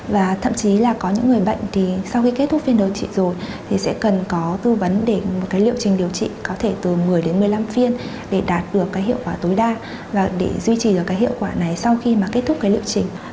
và thậm chí là có những người bệnh thì sau khi kết thúc phiên điều trị rồi thì sẽ cần có tư vấn để một cái liệu trình điều trị có thể từ một mươi đến một mươi năm phiên để đạt được cái hiệu quả tối đa và để duy trì được cái hiệu quả này sau khi mà kết thúc cái liệu trình